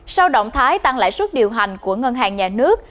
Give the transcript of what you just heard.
sau động thái tăng lãi suất điều hành của ngân hàng nhà nước